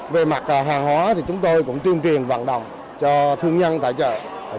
về mặt hàng hóa thì chúng tôi cũng tuyên truyền vạn đồng cho thương nhân tài trợ